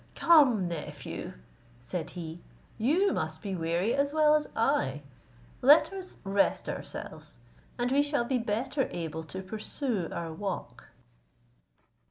"Come, nephew," said he, "you must be weary as well as I; let us rest ourselves, and we shall be better able to pursue our walk."